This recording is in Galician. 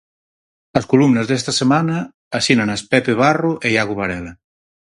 As columnas desta semana asínanas Pepe Barro e Iago Varela.